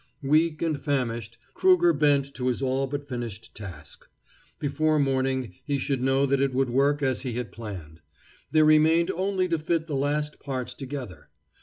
Weak and famished, Krueger bent to his all but finished task. Before morning he should know that it would work as he had planned. There remained only to fit the last parts together.